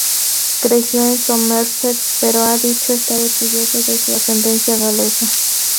Creció en Somerset, pero ha dicho estar orgulloso de su ascendencia galesa.